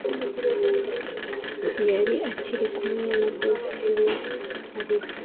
yari akiri kumwe na boss we ariwe